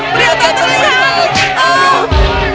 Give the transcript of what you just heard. pria tak terlihat